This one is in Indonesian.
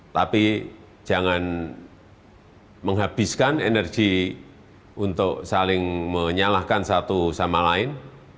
tapi jangan menghabiskan energi untuk saling menyalahkan satu sama lain